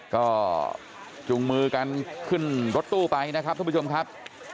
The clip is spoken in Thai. ก็จูงมือกันขึ้นรถตู้ไปนะครับทุกผู้ชมครับ